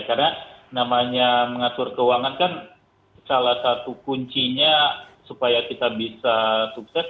karena namanya mengatur keuangan kan salah satu kuncinya supaya kita bisa sukses